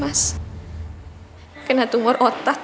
mas kena tumor otak